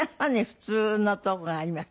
普通のとこがありましたね。